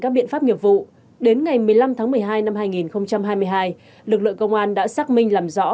các biện pháp nghiệp vụ đến ngày một mươi năm tháng một mươi hai năm hai nghìn hai mươi hai lực lượng công an đã xác minh làm rõ